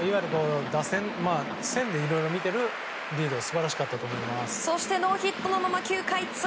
打線、線でいろいろ見ているリード素晴らしかったと思います。